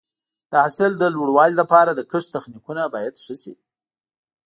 د حاصل د لوړوالي لپاره د کښت تخنیکونه باید ښه شي.